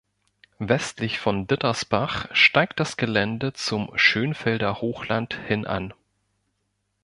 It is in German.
Westlich von Dittersbach steigt das Gelände zum Schönfelder Hochland hin an.